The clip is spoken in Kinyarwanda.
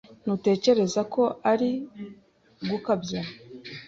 Ntutekereza ko uri gukabya?